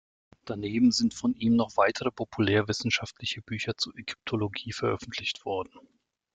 Daneben sind von ihm noch weitere populärwissenschaftliche Bücher zur Ägyptologie veröffentlicht worden.